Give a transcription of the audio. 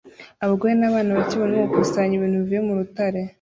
Abagore n'abana bake barimo gukusanya ibintu bivuye mu rutare